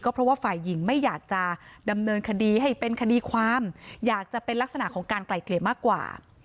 เพราะว่าฝ่ายหญิงไม่อยากจะดำเนินคดีให้เป็นคดีความอยากจะเป็นลักษณะของการไกลเกลี่ยมากกว่า